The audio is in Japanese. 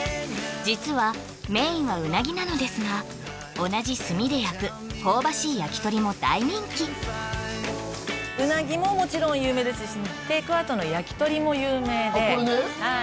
実はメインはうなぎなのですが同じ炭で焼く香ばしい焼き鳥も大人気うなぎももちろん有名ですしテイクアウトの焼き鳥も有名ではい